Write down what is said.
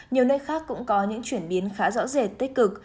nhiều nơi khác cũng có những chuyển biến khá rõ rệt tích cực